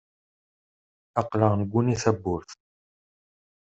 Aql-aɣ negguni tawwurt.